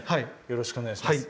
よろしくお願いします。